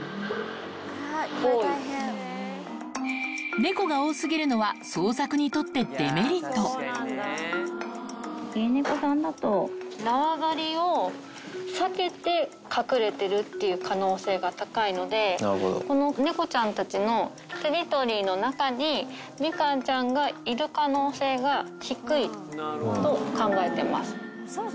猫が多すぎるのは、家猫さんだと、縄張りを避けて隠れてるっていう可能性が高いので、この猫ちゃんたちのテリトリーの中に、みかんちゃんがいる可能性が低いと考えてます。